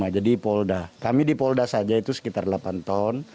jadi polda kami di polda saja itu sekitar delapan ton